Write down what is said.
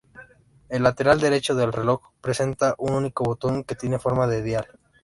El lateral derecho del reloj presenta un único botón que tiene forma de dial.